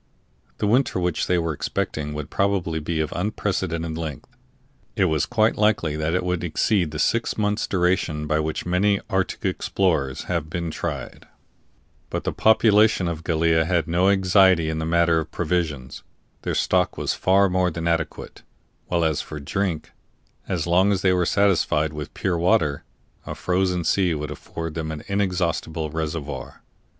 The winter which they were expecting would probably be of unprecedented length; it was quite likely that it would exceed the six months' duration by which many arctic explorers have been tried; but the population of Gallia had no anxiety in the matter of provisions their stock was far more than adequate; while as for drink, as long as they were satisfied with pure water, a frozen sea would afford them an inexhaustible reservoir.